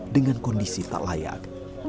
dengan kondisi tak layak